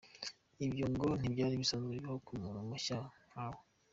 Ibyo ngo ntibyari bisanzwe bibaho ku muntu mushya nka we.